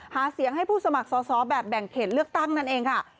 หาเสียงให้ผู้สมัครสอบแบบแบ่งเขตเลือกตั้งนั่นเองค่ะ